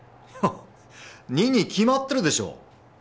ハッ２に決まってるでしょ！